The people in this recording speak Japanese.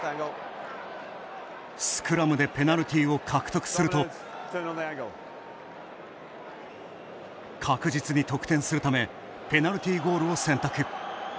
スクラムでペナルティーを獲得すると確実に得点するためペナルティーゴールを選択。